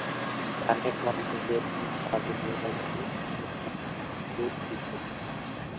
গানে কণ্ঠ দিয়েছেন সাবিনা ইয়াসমিন ও এন্ড্রু কিশোর।